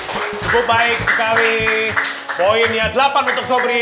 cukup baik sekali poinnya delapan untuk sobri